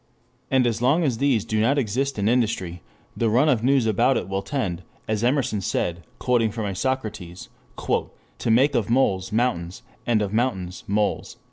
And as long as these do not exist in industry, the run of news about it will tend, as Emerson said, quoting from Isocrates, "to make of moles mountains, and of mountains moles."